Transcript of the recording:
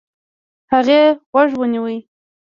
هغې غوږ ونيو.